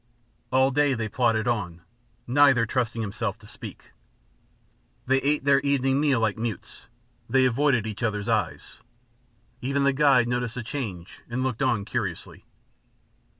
All day they plodded on, neither trusting himself to speak. They ate their evening meal like mutes; they avoided each other's eyes. Even the guide noticed the change and looked on curiously.